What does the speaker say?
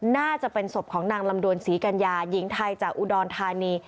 น่าจะเป็นศพของนางลำดวนศรีกัญญาหญิงไทยจากอุดรธานี